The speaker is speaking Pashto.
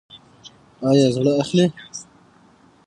ایا زړه اخلئ؟